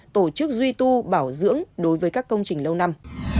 tổ chức duy tu bảo dưỡng đối với các công trình lâu năm